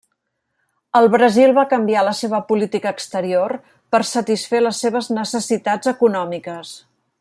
El Brasil va canviar la seva política exterior per satisfer les seves necessitats econòmiques.